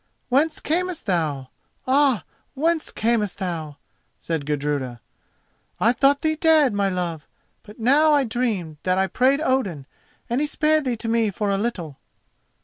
"Whence camest thou? ah! whence camest thou?" said Gudruda. "I thought thee dead, my love; but now I dreamed that I prayed Odin, and he spared thee to me for a little."